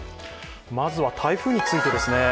まずは台風についてですね。